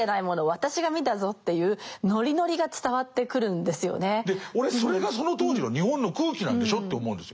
私が見たぞっていうで俺それがその当時の日本の空気なんでしょって思うんですよ。